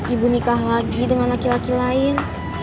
ibu nikah lagi dengan laki laki lain